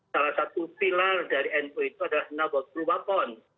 salah satu pilar dari nu itu adalah nabok berwapon